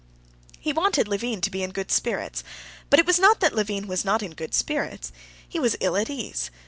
He wanted Levin to be in good spirits. But it was not that Levin was not in good spirits; he was ill at ease.